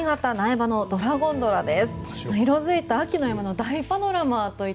こちらは新潟・苗場のドラゴンドラです。